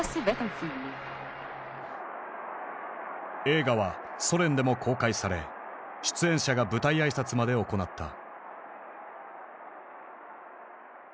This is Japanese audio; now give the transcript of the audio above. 映画はソ連でも公開され出演者が舞台挨拶まで行った。